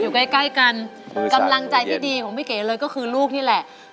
ใกล้ใกล้กันกำลังใจที่ดีของพี่เก๋เลยก็คือลูกนี่แหละ